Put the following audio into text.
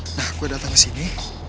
nah gue datang kesini